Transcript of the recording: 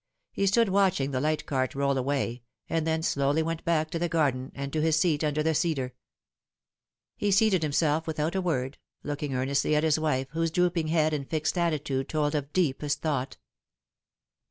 He stood watching the light cart roll away, and then went slowly back to the garden and to his seat under the cedar. He seated himself without a word, looking earnestly at his wife, whose drooping head and fixed attitude told of deepest 94 The Fatal Three. thought.